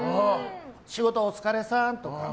仕事お疲れさんとか。